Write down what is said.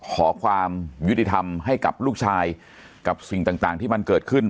ขอความยุติธรรมให้กับลูกชายกับสิ่งต่างที่มันเกิดขึ้น